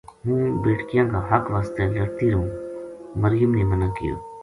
” ہوں بیٹکیاں کا حق واسطے لڑتی رہوں “ مریم نے مَنا کہیو